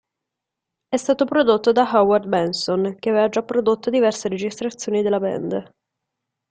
È stato prodotto da Howard Benson, che aveva già prodotto diverse registrazioni della band.